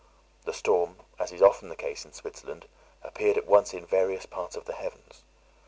The storm, as is often the case in Switzerland, appeared at once in various parts of the heavens.